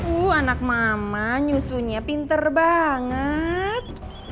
uh anak mama nyusunya pinter banget